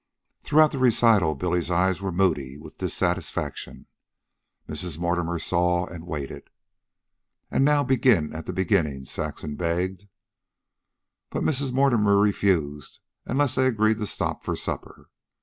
Throughout the recital Billy's eyes were moody with dissatisfaction. Mrs. Mortimer saw, and waited. "And now, begin at the beginning," Saxon begged. But Mrs. Mortimer refused unless they agreed to stop for supper.